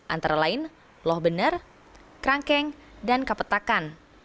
antara lain loh bener krankeng dan kepetakan